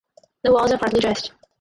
The walls are partly dressed.